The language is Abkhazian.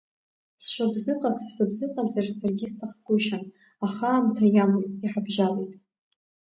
Сшыбзыҟац сыбзыҟазар саргьы исҭахгәышьан, аха аамҭа иамуит, иҳабжьалеит.